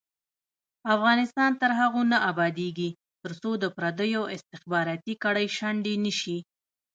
افغانستان تر هغو نه ابادیږي، ترڅو د پردیو استخباراتي کړۍ شنډې نشي.